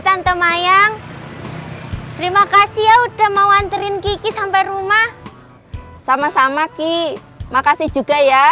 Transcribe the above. tante mayang terima kasih ya udah mau wanterin kiki sampai rumah sama sama ki makasih juga ya